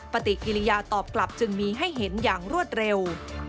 ปฏิกิริยาตอบกลับจึงมีให้เห็นอย่างรวดเร็ว